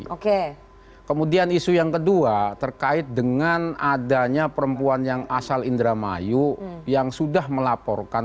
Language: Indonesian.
oke kemudian isu yang kedua terkait dengan adanya perempuan yang asal indramayu yang sudah melaporkan